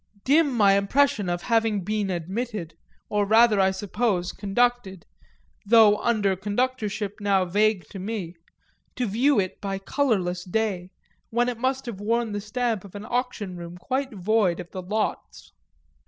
Dim my impression of having been admitted or rather, I suppose, conducted, though under conductorship now vague to me to view it by colourless day, when it must have worn the stamp of an auction room quite void of the "lots."